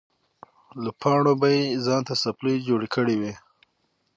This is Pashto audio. له پاڼو به یې ځان ته څپلۍ جوړې کړې وې.